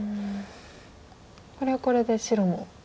これはこれで白も。